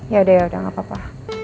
ya udah ya udah gak apa apa